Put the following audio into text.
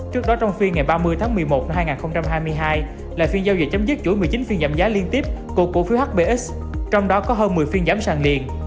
trước đó trong phiên ngày ba mươi tháng một mươi một năm hai nghìn hai mươi hai là phiên giao dịch chấm dứt chuỗi một mươi chín phiên giảm giá liên tiếp của cổ phiếu hbx trong đó có hơn một mươi phiên giảm sàng liền